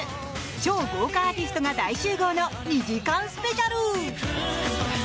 超豪華アーティストが大集合の２時間スペシャル。